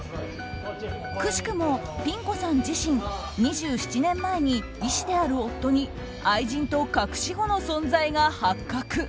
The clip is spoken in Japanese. くしくも、ピン子さん自身２７年前に医師である夫に愛人と隠し子の存在が発覚。